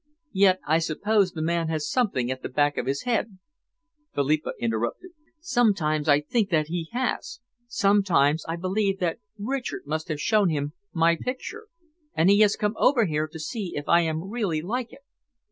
"Yet I suppose the man has something at the back of his head," Philippa interrupted. "Sometimes I think that he has, sometimes I believe that Richard must have shown him my picture, and he has come over here to see if I am really like it."